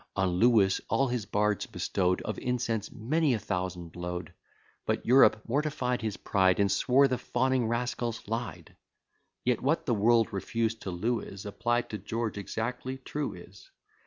On Lewis all his bards bestow'd Of incense many a thousand load; But Europe mortified his pride, And swore the fawning rascals lied. Yet what the world refused to Lewis, Applied to George, exactly true is.